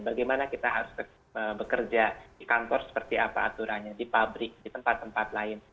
bagaimana kita harus bekerja di kantor seperti apa aturannya di pabrik di tempat tempat lain